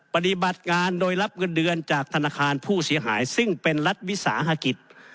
ปฏิบัติงานโดยรับเงินเดือนจากธนาคารผู้เสียหายซึ่งเป็นรัฐวิสาหกิจ